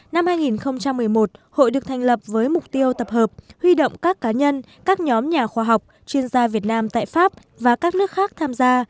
năm hai nghìn một mươi một hội được thành lập với mục tiêu tập hợp huy động các cá nhân các nhóm nhà khoa học chuyên gia việt nam tại pháp và các nước khác tham gia